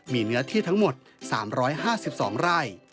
มีเนื้อที่ทั้งหมด๓๕๒ไร่